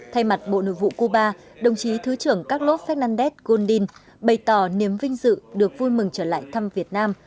thay mặt bộ nội vụ cuba đồng chí thứ trưởng carlos fernández gondín bày tỏ niềm vinh dự được vui mừng trở lại thăm việt nam